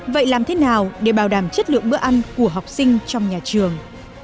vậy làm thế nào để bảo đảm chất lượng bữa ăn của học sinh trong nhà trường